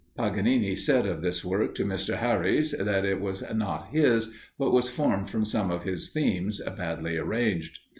Paganini said of this work to Mr. Harrys, that it was not his, but was formed from some of his themes badly arranged.